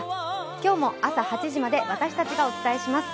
今日も朝８時まで私たちがお伝えします。